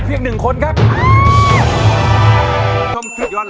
เกิดเสียแฟนไปช่วยไม่ได้นะ